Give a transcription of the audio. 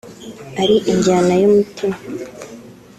ari injyana y’umutima